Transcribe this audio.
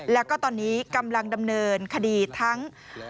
แล้วก็ตอนนี้กำลังดำเนินคดีทั้ง